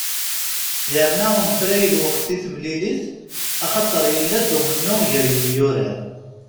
Yerna unefray lweqt i temlilit axaṭer yella-d umennuɣ gar yemyurar.